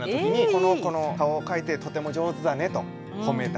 この子の顔を描いてとても上手だねと褒めたりとか。